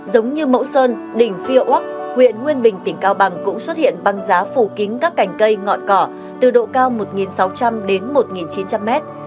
giống như mẫu sơn đỉnh phiêu úc huyện nguyên bình tỉnh cao bằng cũng xuất hiện băng giá phủ kính các cành cây ngọn cỏ từ độ cao một sáu trăm linh đến một chín trăm linh mét